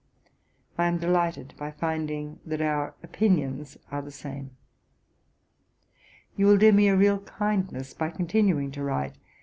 I am delighted by finding that our opinions are the same. You will do me a real kindness by continuing to write.